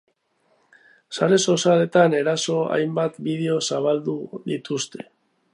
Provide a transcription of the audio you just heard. Sare sozialetan erasoen hainbat bideo zabaldu dituzte.